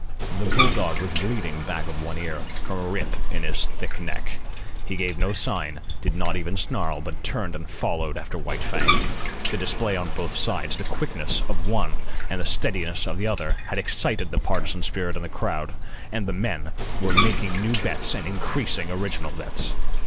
The bull dog was bleeding back of one ear from a rip in his thick neck. He gave no sign, did not even snarl, but turned and followed after White Fang. The display on both sides, the quickness of the one and the steadiness of the other, had excited the partisan spirit of the crowd, and the men were making new bets and increasing original bets.